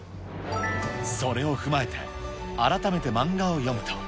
それを踏まえて、改めて漫画を読むと。